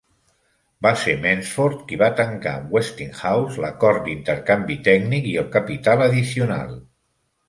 Va ser Mensforth qui va tancar amb Westinghouse l'acord d'intercanvi tècnic i el capital addicional.